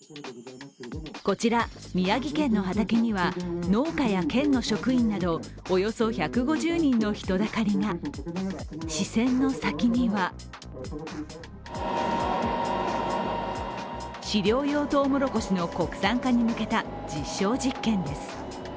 こちら宮城県の畑には農家や県の職員などおよそ１５０人の人だかりが視線の先には飼料用トウモロコシの国産化に向けた実証実験です。